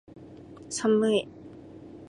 寒い日が続きますので、お体ご自愛下さい。